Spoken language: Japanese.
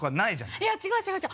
いや違う違う違う。